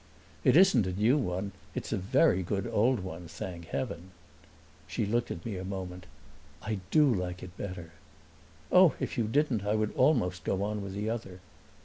"It isn't a new one; it is a very good old one, thank heaven!" She looked at me a moment. "I do like it better." "Oh, if you didn't I would almost go on with the other!"